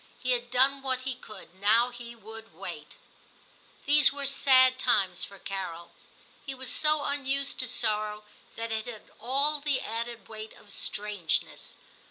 He had done what he could ; now he would wait. These were sad times for Carol ; he was so unused to sorrow that it had all the added weight of strangeness.